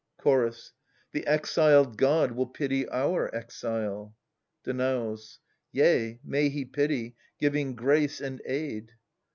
1^ Chorus. The exiled god will pity our exile. Danaus. Yea, may he pity, giving grace and aid.